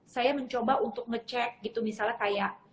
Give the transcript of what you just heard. saya mencoba untuk ngecek gitu misalnya kayak